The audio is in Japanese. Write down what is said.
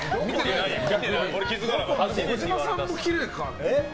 児嶋さんもきれいか。